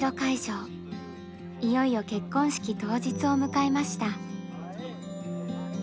いよいよ結婚式当日を迎えました。